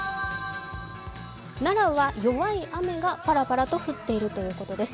奈良は弱い雨がパラパラと降っているということです。